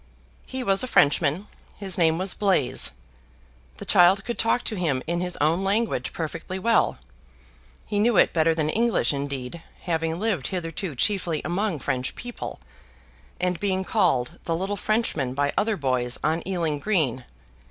He was a Frenchman; his name was Blaise. The child could talk to him in his own language perfectly well: he knew it better than English indeed, having lived hitherto chiefly among French people: and being called the Little Frenchman by other boys on Ealing Green.